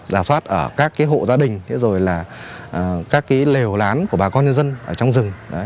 giả soát ở các cái hộ gia đình các cái lều lán của bà con nhân dân ở trong rừng